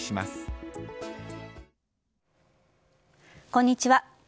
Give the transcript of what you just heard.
こんにちは。